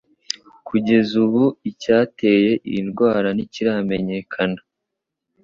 Kugeza ubu, icyateye iyi ndwara ntikiramenyekana.